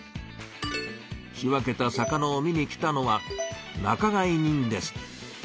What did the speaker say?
仕分けた魚を見に来たのは仲買人です。